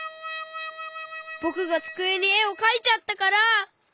ぼくがつくえにえをかいちゃったから。